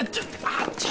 あっちょ。